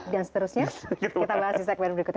dan seterusnya kita bahas di segmen berikutnya